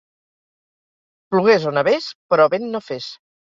Plogués o nevés..., però vent no fes.